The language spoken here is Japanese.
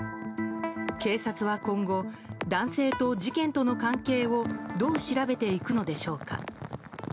警察は今後男性と事件との関係をどう調べていくのでしょうか。